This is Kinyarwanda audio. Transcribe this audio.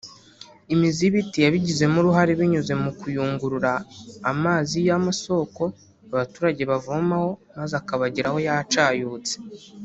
Imizi y’ibiti yabigizemo uruhare binyuze mu kuyungurura amazi y’amasoko abaturage bavomaho maze akabageraho yacayutse